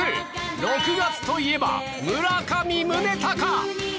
６月といえば、村上宗隆！